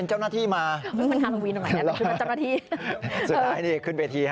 หลบ